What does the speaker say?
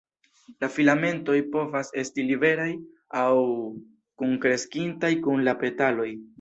La filamentoj povas esti liberaj aŭ kunkreskintaj kun la petaloj.